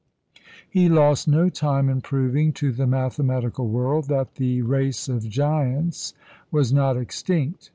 He lost no time in proving to the mathematical world that the race of giants was not extinct.